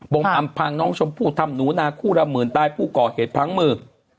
อำพังน้องชมพู่ทำหนูนาคู่ละหมื่นตายผู้ก่อเหตุพังมือ